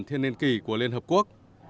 thiên niên kỳ của liên hợp quốc